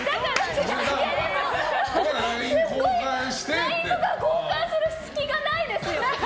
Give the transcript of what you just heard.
でも、ＬＩＮＥとか交換する隙がないですよ。